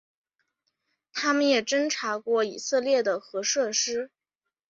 它们也侦察过以色列的核设施。